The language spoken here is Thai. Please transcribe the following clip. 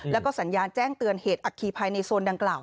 แล้วก็สัญญาณแจ้งเตือนเหตุอัคคีภายในโซนดังกล่าว